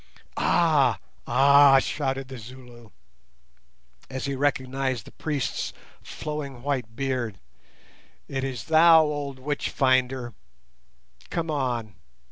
"Ah, ah!" shouted the Zulu, as he recognized the priest's flowing white beard, "it is thou, old 'witch finder'! Come on!